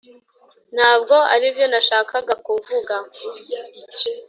ntabwo aribyo nashakaga kuvuga